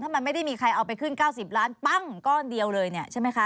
มันไม่ได้มีใครเอาไปขึ้น๙๐ล้านปั้งก้อนเดียวเลยเนี่ยใช่ไหมคะ